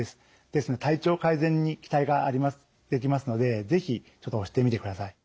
ですので体調改善に期待ができますので是非ちょっと押してみてください。